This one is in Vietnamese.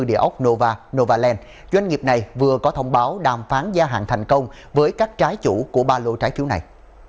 địa ốc nova novaland doanh nghiệp này vừa có thông báo đàm phán gia hạn thành công với các trái chủ của ba lô trái phiếu này